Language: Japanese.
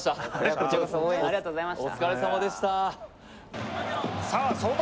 こちらこそ応援ありがとうございました。